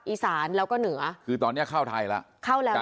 อีสานแล้วก็เหนือคือตอนเนี้ยเข้าไทยแล้วเข้าแล้ว